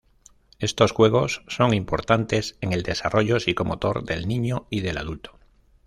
Estos juegos son importantes en el desarrollo psicomotor del niño y del adulto.